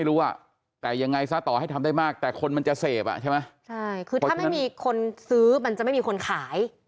คือถ้าไม่มีคนซื้อมันจะไม่มีคนขาย